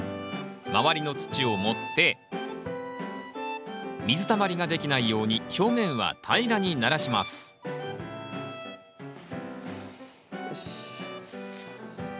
周りの土を盛って水たまりができないように表面は平らにならしますよし。